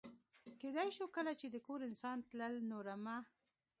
کېدای شو کله چې د کور انسان تلل، نو رمه.